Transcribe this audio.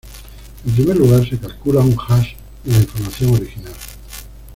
En primer lugar se calcula un "hash" de la información original.